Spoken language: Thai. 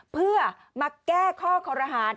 เพื่อมาแก้ข้อคอรหาร